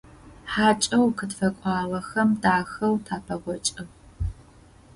ХьакӀэу къытфэкӀуагъэхэм дахэу тапэгъокӀыгъ.